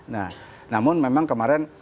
nah namun memang kemarin